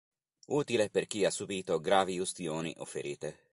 Utile per chi ha subito gravi ustioni o ferite.